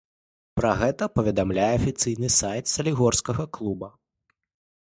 Пра гэта паведамляе афіцыйны сайт салігорскага клуба.